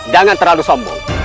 jangan terlalu sombong